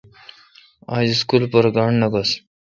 آج اسکول پر گانٹھ نہ گوس۔